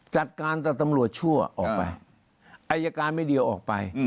จัดการแต่ตำรวจชั่วออกไปอายการไม่เดียวออกไป